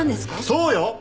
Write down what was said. そうよ！